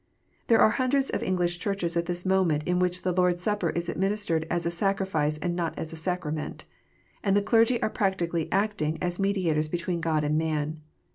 There are hundreds of English Churches at this moment in which the Lord s Supper is administered as a sacrifice and not as a sacrament, and the clergy are practically acting as mediators between God and man.